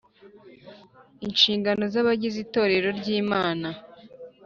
Inshingano z abagize itorero ryimana